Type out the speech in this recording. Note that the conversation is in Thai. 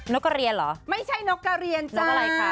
นกกระเรียนเหรอไม่ใช่นกกระเรียนจ้า